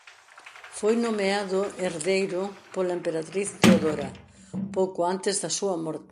Foi nomeado herdeiro pola emperatriz Teodora pouco antes da súa morte.